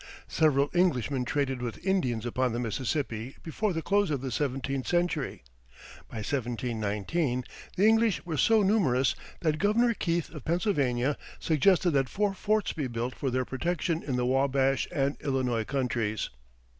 Several Englishmen traded with Indians upon the Mississippi before the close of the seventeenth century; by 1719 the English were so numerous that Governor Keith, of Pennsylvania, suggested that four forts be built for their protection in the Wabash and Illinois countries.